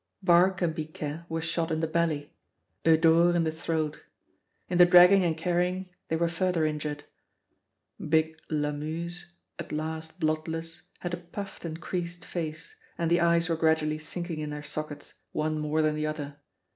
Barque and Biquet were shot in the belly; Eudore in the throat. In the dragging and carrying they were further injured. Big Lamuse, at last bloodless, had a puffed and creased face, and the eyes were gradually sinking in their sockets, one more than the other.